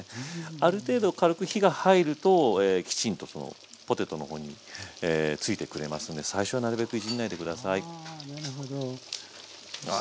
ある程度軽く火が入るときちんとポテトの方についてくれますので最初はなるべくいじんないで下さい。